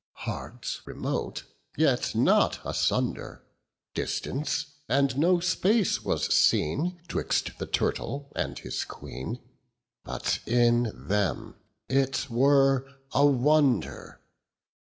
Hearts remote, yet not asunder; Distance, and no space was seen 30 'Twixt the turtle and his queen: But in them it were a wonder.